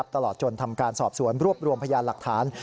ตลอดจนทำการสอบสวนรวบรวมพยานหลักฐาน